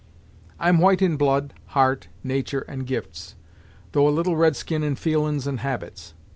I'm white in blood, heart, natur' and gifts, though a little red skin in feelin's and habits.